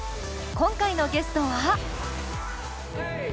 今回のゲストは？